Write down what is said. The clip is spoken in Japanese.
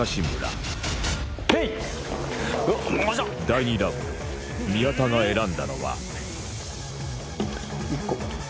第２弾宮田が選んだのは１個。